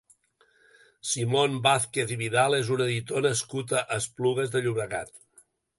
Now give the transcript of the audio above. Simón Vázquez i Vidal és un editor nascut a Esplugues de Llobregat.